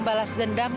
bukan sobat victor